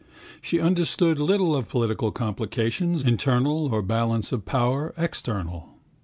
She understood little of political complications, internal, or balance of power, external.